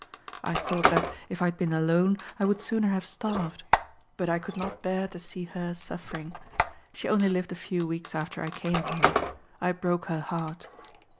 I thought that, if I had been alone, I would sooner have starved, but I could not bear to see her suffering. She only lived a few weeks after I came here. I broke her heart.